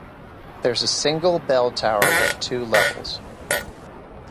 There is a single bell tower with two levels.